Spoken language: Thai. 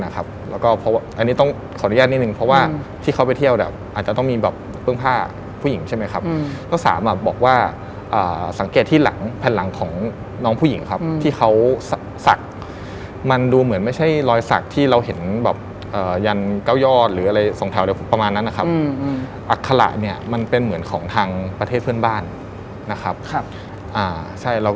เขาก็เตอร์เวนหาโลเคชั่นหาอาการหาทำเลไปเรื่อย